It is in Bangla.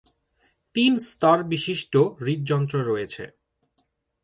তিন-স্তরবিশিষ্ট হৃদযন্ত্র রয়েছে।